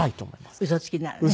ウソつきならね。